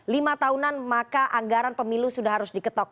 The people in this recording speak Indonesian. lima tahunan maka anggaran pemilu sudah harus diketok